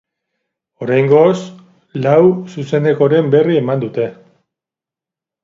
Oraingoz lau zuzenekoren berri eman dute.